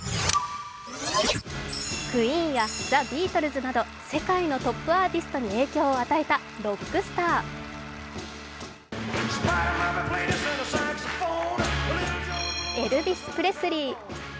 クイーンやザ・ビートルズなど世界のトップアーティストに影響を与えたロックスター、エルヴィス・プレスリー。